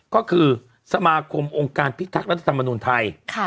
ก็คือสมาคมองค์การพิทักษ์รัฐธรรมนุนไทย